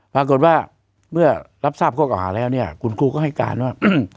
ปรากฏว่าเมื่อรับทราบข้อเก่าหาแล้วเนี่ยคุณครูก็ให้การว่า